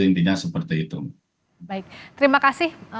intinya seperti itu baik terima kasih